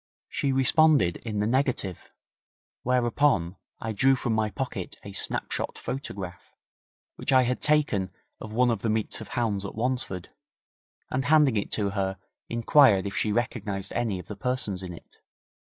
She responded in the negative, whereupon I drew from my pocket a snap shot photograph, which I had taken of one of the meets of hounds at Wansford, and handing it to her inquired if she recognized any of the persons in it.